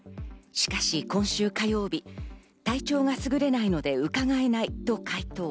しかし今週火曜日、体調がすぐれないので伺えないと回答。